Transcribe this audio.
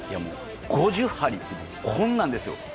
５０針って、こんなんですよ。